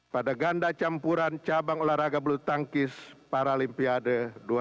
pada ganda campuran cabang olahraga bulu tangkis paralimpiade dua ribu dua puluh